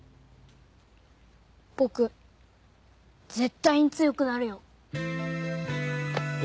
僕絶対に強くなるよ。